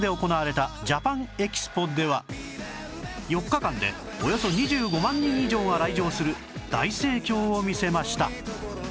４日間でおよそ２５万人以上が来場する大盛況を見せました